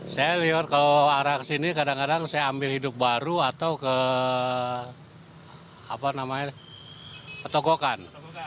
saya lihat kalau arah sini kadang kadang saya ambil hidup baru atau ketokokan